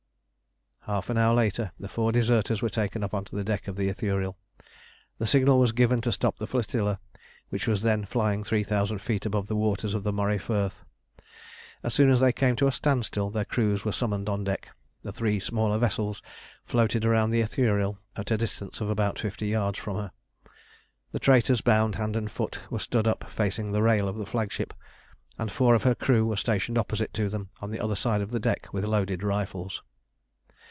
Half an hour later the four deserters were taken up on to the deck of the Ithuriel. The signal was given to stop the flotilla, which was then flying three thousand feet above the waters of the Moray Firth. As soon as they came to a standstill their crews were summoned on deck. The three smaller vessels floated around the Ithuriel at a distance of about fifty yards from her. The traitors, bound hand and foot, were stood up facing the rail of the flagship, and four of her crew were stationed opposite to them on the other side of the deck with loaded rifles.